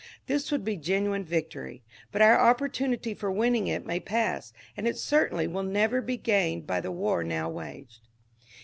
This would be genu ine victory ; but our opportunity for winning it may pass, and it certainly will never be gained by the war now waged.